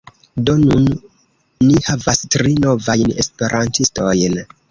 Do nun ni havas tri novajn esperantistojn.